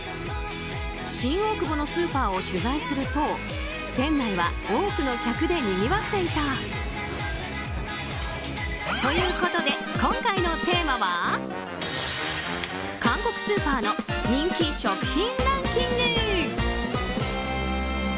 新大久保のスーパーを取材すると店内は多くの客でにぎわっていた。ということで、今回のテーマは韓国スーパーの人気食品ランキング。